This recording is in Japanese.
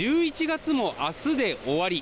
１１月も明日で終わり。